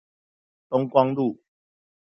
東光路